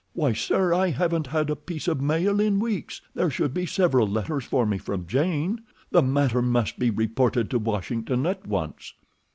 Why, sir, I haven't had a piece of mail in weeks. There should be several letters for me from Jane. The matter must be reported to Washington at once.